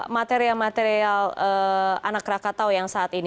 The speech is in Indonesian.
material material anak krakatau yang saat ini